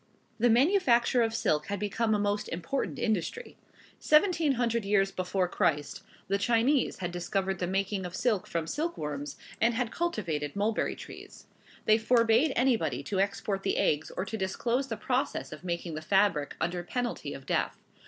The manufacture of silk had become a most important industry. Seventeen hundred years before Christ the Chinese had discovered the making of silk from silk worms, and had cultivated mulberry trees. They forbade anybody to export the eggs or to disclose the process of making the fabric, under penalty of death.